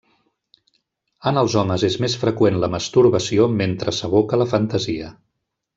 En els homes és més freqüent la masturbació mentre s'evoca la fantasia.